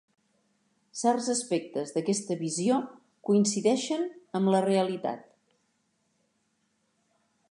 Certs aspectes d'aquesta visió coincideixen amb la realitat.